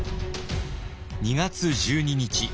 ２月１２日